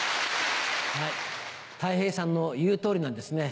たい平さんの言う通りなんですね。